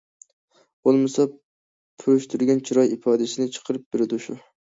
بولمىسا پۈرۈشتۈرگەن چىراي ئىپادىسىنى چىقىرىپ بېرىدۇ شۇ.